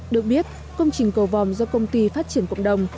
được biết công trình cầu vòm do công ty phát triển cộng đồng